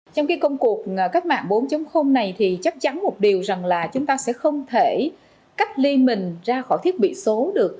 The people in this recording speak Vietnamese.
trong cái công cuộc cách mạng bốn này thì chắc chắn một điều rằng là chúng ta sẽ không thể cách ly mình ra khỏi thiết bị số được